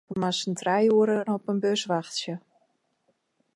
Wy moasten trije oeren op in bus wachtsje.